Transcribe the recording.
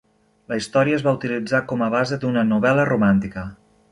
La història es va utilitzar com a base d'una novel·la romàntica.